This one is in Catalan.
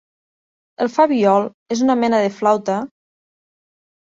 El flabiol és una mena de flauta...